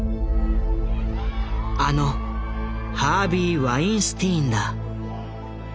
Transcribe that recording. あのハービー・ワインスティーンだ。